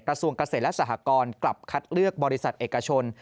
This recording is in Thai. กระทรวงเกษตรและสหกรกลับคัดเลือกบริษัทเอกชน